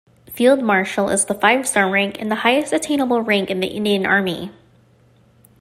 Field marshal is the five-star rank and highest attainable rank in the Indian Army.